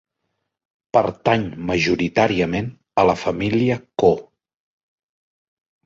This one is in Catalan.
Pertany majoritàriament a la família Koo.